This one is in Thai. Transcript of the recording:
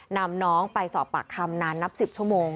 นำน้องไปสอบปากคำนานนับ๑๐ชั่วโมง